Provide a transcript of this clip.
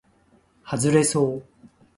はずれそう